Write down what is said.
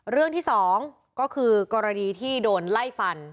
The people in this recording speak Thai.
เรื่องที่๒ก็คือกรณีที่โดนไล่ฟัน